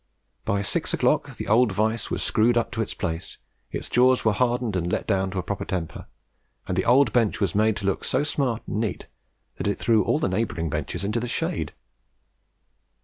By six o'clock, the old vice was screwed up to its place, its jaws were hardened and "let down" to proper temper, and the old bench was made to look so smart and neat that it threw all the neighbouring benches into the shade!